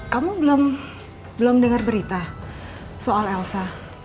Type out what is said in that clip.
kamu belum dengar berita soal elsa